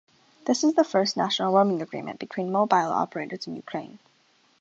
This is the first national roaming agreement between mobile operators in Ukraine.